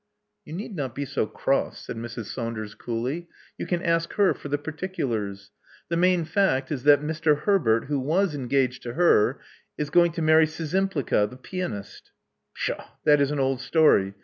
You need not be so cross," said Mrs. Saunders coolly. You can ask her for the particulars. The main fact is that Mr. Herbert, who was engaged to her, is going to marry Szczympliga, the pianist" Pshaw! That is an old story.